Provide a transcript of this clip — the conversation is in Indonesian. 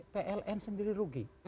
pln sendiri rugi